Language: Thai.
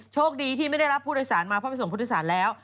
โชคดีที่ไม่ได้รับผู้โดยสารมาเพราะไปส่งผู้โดยสารแล้ว